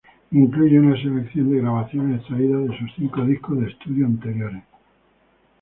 Incluye una selección de grabaciones extraídas de sus cinco disco de estudio anteriores.